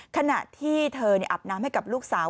ขณะที่เธออาบน้ำให้กับลูกสาว